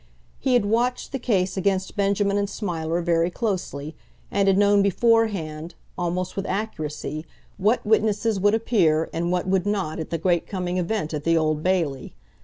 He had watched the case against Benjamin and Smiler very closely, and had known beforehand, almost with accuracy, what witnesses would appear and what would not at the great coming event at the Old Bailey.